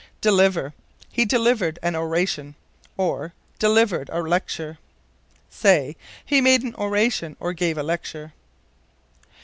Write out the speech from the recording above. Deliver. "He delivered an oration," or "delivered a lecture." Say, He made an oration, or gave a lecture.